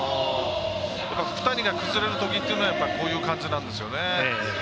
福谷が崩れるときっていうのはこういう感じなんですよね。